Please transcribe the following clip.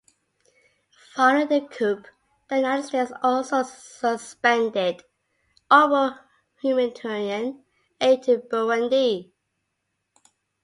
Following the coup, the United States also suspended all but humanitarian aid to Burundi.